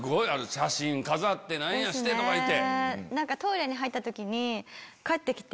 写真飾って何やしてとか言うて。